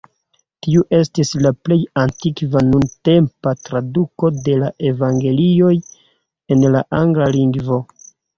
Tiu estis la plej antikva nuntempa traduko de la Evangelioj en la angla lingvo.